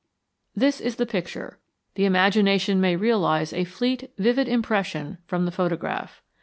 This is the picture. The imagination may realize a fleet, vivid impression from the photograph.